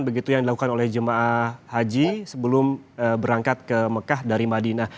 begitu yang dilakukan oleh jemaah haji sebelum berangkat ke mekah dari madinah